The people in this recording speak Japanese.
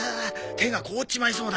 手が凍っちまいそうだ。